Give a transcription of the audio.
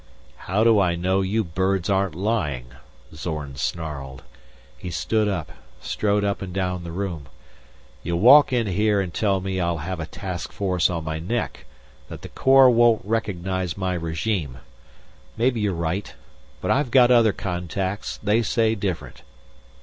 "How do I know you birds aren't lying?" Zorn snarled. He stood up, strode up and down the room. "You walk in here and tell me I'll have a task force on my neck, that the Corps won't recognize my regime. Maybe you're right. But I've got other contacts. They say different."